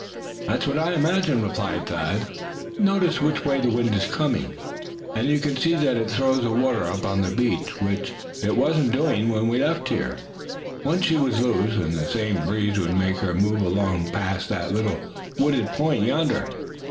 "That's what I imagine," replied Thad. "Notice which way the wind is coming, and you can see that it throws the water up on this beach, which is wasn't doing when we left here. Once she was loose and the same breeze would make her move along past that little wooded point yonder.